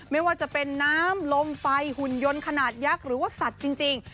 ไม่ว่าจะเป็นน้ำลมไฟหุ่นยนต์ขนาดยักษ์หรือว่าสัตว์จริง